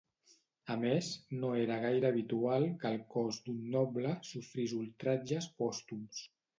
A més, no era gaire habitual que el cos d'un noble sofrís ultratges pòstums.